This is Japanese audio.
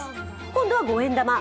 今度は五円玉。